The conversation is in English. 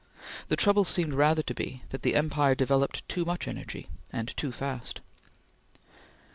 The trouble seemed rather to be that the empire developed too much energy, and too fast.